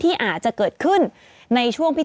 มีสารตั้งต้นเนี่ยคือยาเคเนี่ยใช่ไหมคะ